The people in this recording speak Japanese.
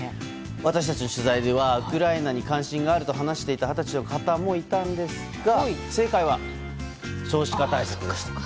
私たちの取材ではウクライナに関心があると話していた二十歳の方もいたんですが正解は少子化対策。